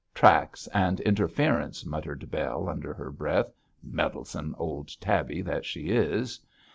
'Tracts and interference,' muttered Bell, under her breath; 'meddlesome old tabby that she is.'